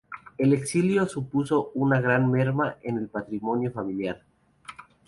El exilio supuso una gran merma en el patrimonio familiar.